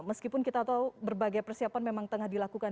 meskipun kita tahu berbagai persiapan memang tengah dilakukan